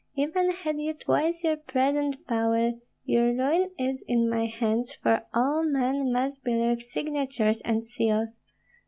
Even had you twice your present power, your ruin is in my hands, for all men must believe signatures and seals.